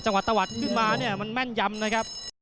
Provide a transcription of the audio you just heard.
หมดยก